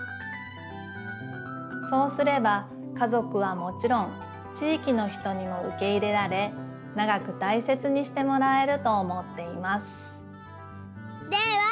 そうすれば家ぞくはもちろん地いきの人にもうけ入れられ長くたいせつにしてもらえると思っています。